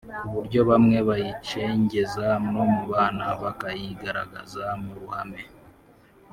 ku buryo bamwe bayicengeza no mu bana bakayigaragaza mu ruhame